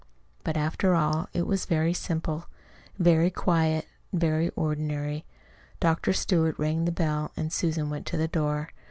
But, after all, it was very simple, very quiet, very ordinary. Dr. Stewart rang the bell and Susan went to the door.